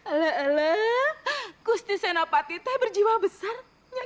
alek elek gusti senapatite berjiwa besar